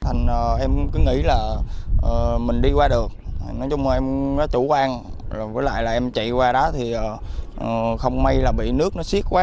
thành em cứ nghĩ là mình đi qua được nói chung là em nó chủ quan với lại là em chạy qua đó thì không may là bị nước nó xiết quá